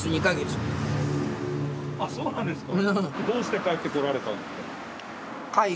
あっそうなんですか。